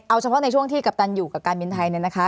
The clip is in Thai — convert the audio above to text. เอาเฉพาะในช่วงที่กัปตันอยู่กับการบินไทยเนี่ยนะคะ